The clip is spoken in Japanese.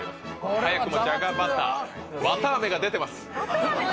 早くもじゃがバターわたあめが出てます。